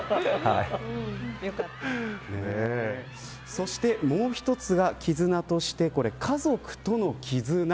そしてもう一つ絆として家族との絆。